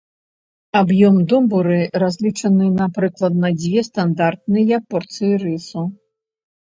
Аб'ём домбуры разлічаны на прыкладна дзве стандартныя порцыі рысу.